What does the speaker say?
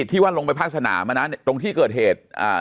ที่ว่าลงไปภาคสนามตรงที่เกิดเหตุอ่า